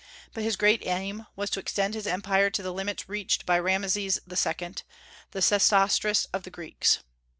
But his great aim was to extend his empire to the limits reached by Rameses II., the Sesostris of the Greeks.